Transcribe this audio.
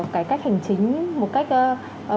cái cách hành chính một cách